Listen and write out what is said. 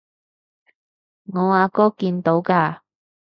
我阿哥見到㗎